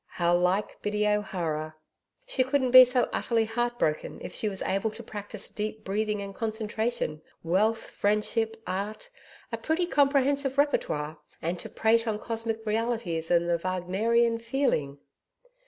How like Biddy O'Hara! She couldn't be so utterly heart broken if she was able to practise deep breathing and concentration Wealth, Friendship, Art a pretty comprehensive repertoire and to prate on Cosmic Realities and the Wagnerian feeling!